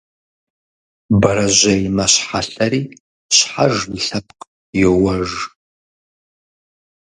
Бэрэжьей мэщхьэлъэри щхьэж и лъэпкъ йоуэж.